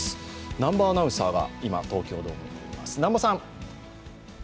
南波アナウンサーが今、東京ドームにいます。